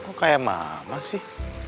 kok kayak mama sih